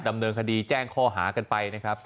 ดำเนินคดีแจ้งข้อหากันไป